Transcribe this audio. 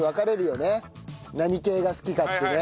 何系が好きかってね。